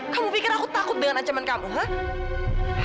kamu pikir aku takut dengan ancaman kamu gak